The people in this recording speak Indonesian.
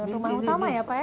rumah utama ya pak ya